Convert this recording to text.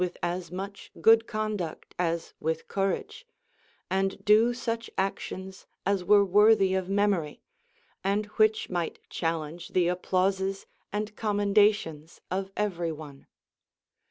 Λvith as much good conduct as with courage, and do such actions as were worthy of memory, and which might chal lenge the applauses and commendations of every one.